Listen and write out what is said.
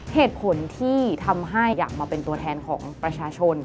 เหตุผลที่ทำให้อยากมาเป็นตัวแทนของประชาชน